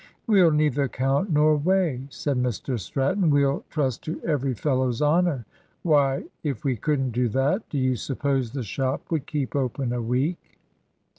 "We'll neither count nor weigh," said Mr Stratton; "we'll trust to every fellow's honour. Why, if we couldn't do that, do you suppose the shop would keep open a week?"